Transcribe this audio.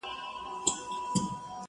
فرمانونه چي خپاره سول په ځنګلو کي٫